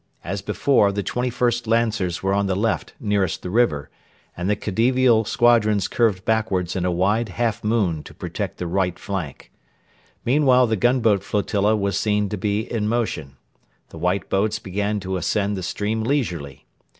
As before, the 21st Lancers were on the left nearest the river, and the Khedivial squadrons curved backwards in a wide half moon to protect the right flank. Meanwhile the gunboat flotilla was seen to be in motion. The white boats began to ascend the stream leisurely.